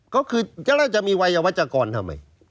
ก็คือเจ้าแล้วจะมีวัยวจากรทำไม